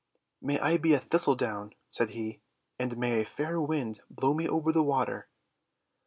"May I be a Thistledown," said he, "and may a fair Wind blow me over the water!'